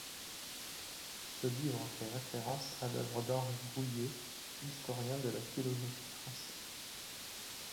Ce livre fait référence à l'œuvre d'Henri Gouhier, historien de la philosophie français.